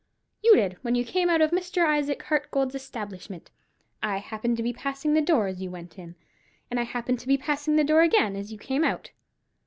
"You did, when you came out of Mr. Isaac Hartgold's establishment. I happened to be passing the door as you went in, and I happened to be passing the door again as you came out."